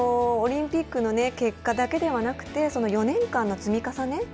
オリンピックの結果だけではなくてその４年間の積み重ね。